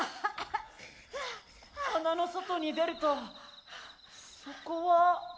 穴の外に出るとそこは。